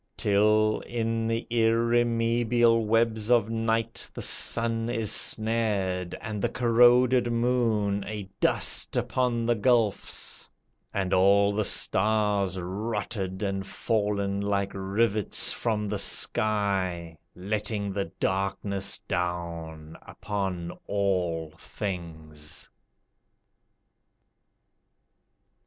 Till, in the irremeable webs of night The sun is snared, and the corroded moon A dust upon the gulfs, and all the stars Rotted and fall'n like rivets from the sky, Letting the darkness down upon all things.